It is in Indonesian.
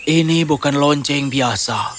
ini bukan lonceng biasa